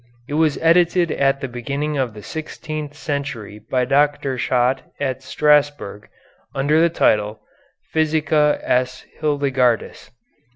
It was edited at the beginning of the sixteenth century by Dr. Schott at Strasburg, under the title, "Physica S. Hildegardis."